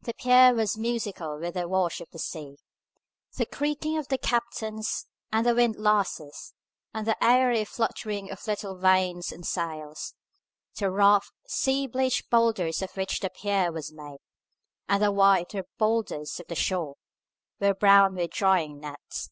The pier was musical with the wash of the sea, the creaking of capstans and windlasses, and the airy fluttering of little vanes and sails. The rough, sea bleached boulders of which the pier was made, and the whiter boulders of the shore, were brown with drying nets.